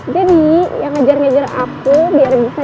jadi yang ngejar ngajar aku biar bisa cepet ngepas